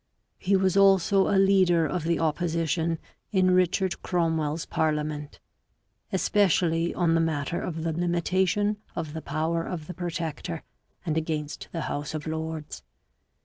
He was also a leader of the opposition in Richard Cromwell's SHAFTESBURY, ist EARL OF 761 parliament, especially on the matter of the limitation of the power of the protector, and against the House of Lords.